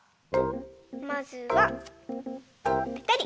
まずはぺたり。